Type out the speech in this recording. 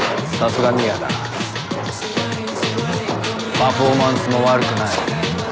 パフォーマンスも悪くない。